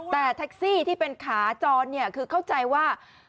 แต่แท็กซี่ที่เป็นขาจรเนี่ยคือเข้าใจว่า